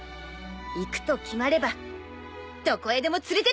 行くと決まればどこへでも連れてってあげる。